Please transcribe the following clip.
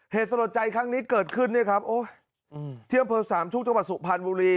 เหตุสนใจครั้งนี้เกิดขึ้นเนี่ยครับโอ๊ยเที่ยงเวลาสามช่วงเจ้าบัตรสุขภรรณบุรี